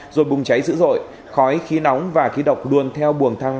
rồi bùng cháy dữ dội khói khí nóng và khí độc đuôn theo buồng thang hoa